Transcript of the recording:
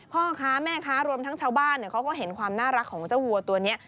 พ่อค้าแม่ค้ารวมทั้งชาวบ้านเขาก็เห็นความน่ารักของเจ้าวัวตัวนี้